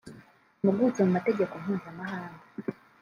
impuguke mu mategeko mpuzamahanga